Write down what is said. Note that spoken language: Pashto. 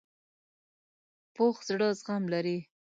پوخ زړه زغم لري